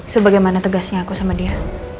sebagaimana tegasnya aku sama dia